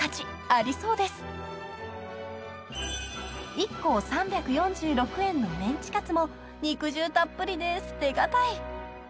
［１個３４６円のメンチカツも肉汁たっぷりで捨て難い］